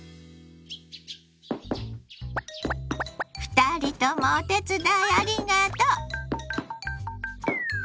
２人ともお手伝いありがとう。